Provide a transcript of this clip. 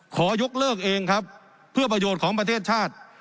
ขอยกเลิกเองครับเพื่อประโยชน์ของประเทศชาติ